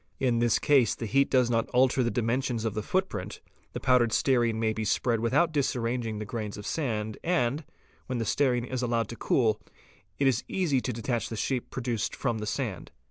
In this case the heat does not alter the di mensions of the footprint, the powdered stearine may be spread without | disarranging the grains of sand, and, when the stearine is allowed to cool, it is easy to detach the shape produced from the sand.